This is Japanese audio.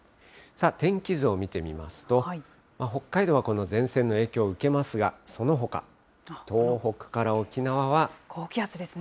天気図を見てみますと、北海道はこの前線の影響を受けますが、そ高気圧ですね。